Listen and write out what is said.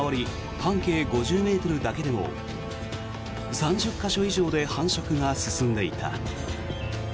半径５０ｍだけでも３０か所以上で繁殖が進んでいた。